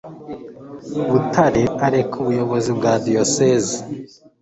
butare areka ubuyobozi bwa diyosezi